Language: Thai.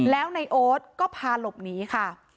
แล้วในโอ๊ตก็พาหลบหนีค่ะ